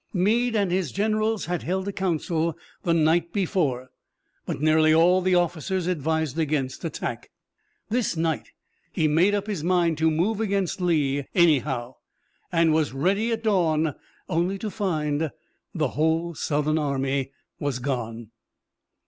Meade and his generals had held a council the night before but nearly all the officers advised against attack. This night he made up his mind to move against Lee anyhow, and was ready at dawn, only to find the whole Southern army gone.